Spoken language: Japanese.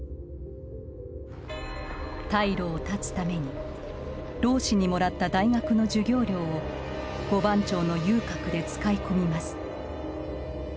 退路を断つために老師にもらった大学の授業料を五番町の遊郭で使い込みます